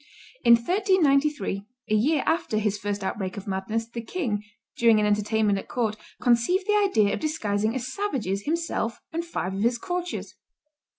In 1393, a year after his first outbreak of madness, the king, during an entertainment at court, conceived the idea of disguising as savages himself and five of his courtiers.